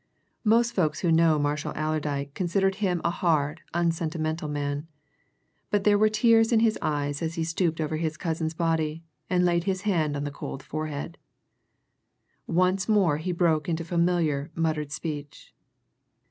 Most folks who knew Marshall Allerdyke considered him a hard, unsentimental man, but there were tears in his eyes as he stooped over his cousin's body and laid his hand on the cold forehead. Once more he broke into familiar, muttered speech.